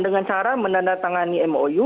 dengan cara menandatangani mou